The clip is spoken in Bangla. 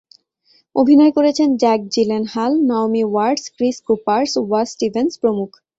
অভিনয় করেছেন Jack Gyllenhaal, Naomi Watts, Chris Coopers, Wass Stevens প্রমুখ।